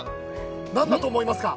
なんだと思いますか？